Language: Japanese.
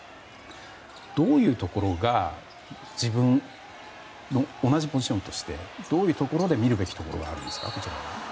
どういうところが同じポジションとしてどういうところで見るべきところがあるんですか。